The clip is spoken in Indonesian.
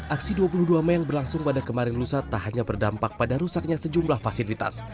aksi dua puluh dua mei yang berlangsung pada kemarin lusa tak hanya berdampak pada rusaknya sejumlah fasilitas